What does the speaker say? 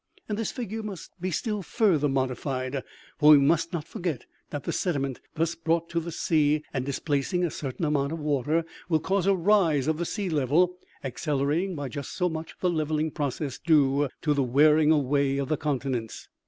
" This figure must be still further modified. For we must not forget that the sediment thus brought to the sea and displacing a certain amount of water, will cause a rise of the sea level, accelerating by just so much the levelling process due to the wearing away of the continents.